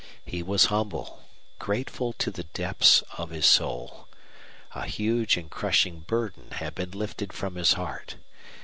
He was humble, grateful to the depths of his soul. A huge and crushing burden had been lifted from his heart.